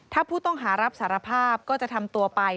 ถ้าผู้ต้องหารับสารภาพก็จะทำตัวไป